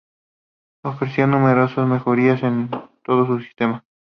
Ofrecía numerosas mejorías en todo su sistema.